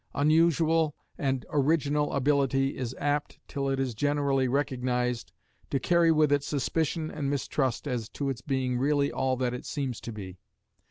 Unusual and original ability is apt, till it is generally recognised, to carry with it suspicion and mistrust as to its being really all that it seems to be.